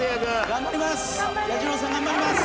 頑張ります！